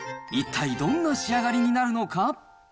一体どんな仕上がりになるのか？